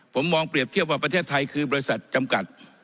ผมมองเปรียบเทียบว่าประเทศไทยคือบริษัทจำกัด